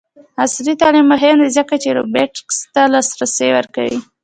عصري تعلیم مهم دی ځکه چې روبوټکس ته لاسرسی ورکوي.